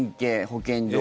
保健所。